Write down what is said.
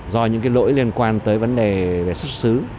do những cái lỗi liên quan tới vấn đề về xuất xứ